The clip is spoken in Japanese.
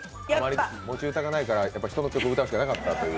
持ち歌がないから、人の曲歌うしかなかったという。